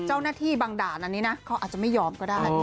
เจ้าหน้าที่บางด่านอันนี้นะเขาอาจจะไม่ยอมก็ได้